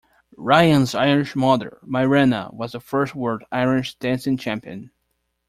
Ryan's Irish mother, Mairanna, was the first World Irish dancing champion.